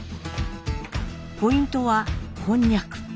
ポイントはこんにゃく。